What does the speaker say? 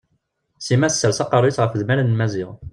Sima tessers aqerruy-is ɣef yidmaren n Maziɣ.